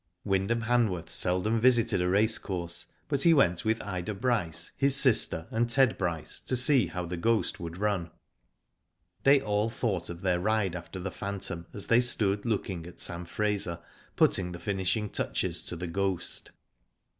Wyndham Hanworth seldom visited a racecourse, but he went with Ida Bryce, his sister, and Ted Bryce, to see how The Ghost would run. They all thought of their ride after the phantom, as they stood looking at Sam Fraser putting the finishing touches to The Ghost.